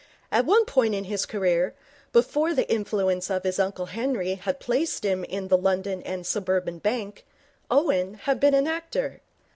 At one period of his career, before the influence of his uncle Henry had placed him in the London and Suburban Bank, Owen had been an actor.